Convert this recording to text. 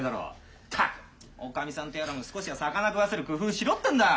ったくおかみさんとやらも少しは魚食わせる工夫しろってんだ！